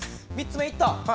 ３つ目いった。